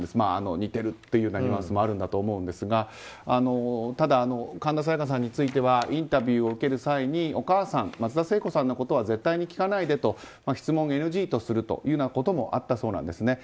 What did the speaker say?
似てるというニュアンスもあるんだと思うんですがただ、神田沙也加さんについてはインタビューを受ける際にお母さん、松田聖子さんのことは絶対に聞かないでと質問ＮＧとするようなこともあったそうなんです。